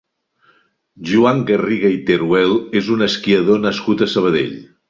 Joan Garriga i Teruel és un esquiador nascut a Sabadell.